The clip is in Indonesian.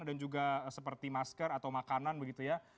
dan juga seperti masker atau makanan begitu ya